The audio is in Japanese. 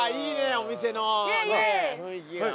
お店の雰囲気が。